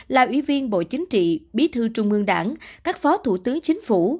là ủy viên bộ chính trị bí thư trung ương đảng các phó thủ tướng chính phủ